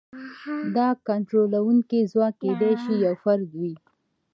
دا کنټرولونکی ځواک کېدای شي یو فرد وي.